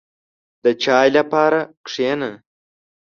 • د چای لپاره کښېنه.